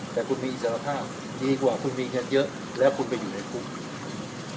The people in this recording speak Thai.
แต่คุณมีอิสรภาพดีกว่าคุณมีเงินเยอะแล้วคุณไปอยู่ในคุก